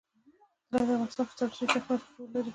طلا د افغانستان په ستراتیژیک اهمیت کې رول لري.